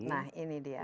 nah ini dia